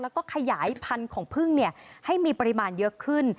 แล้วก็ขยายพันธุ์ของพึ่งให้มีปริมาณเยอะขึ้น